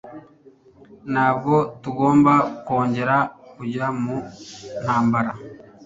Ntabwo tugomba kongera kujya mu ntambara.